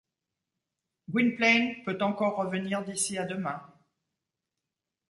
Gwynplaine peut encore revenir d’ici à demain.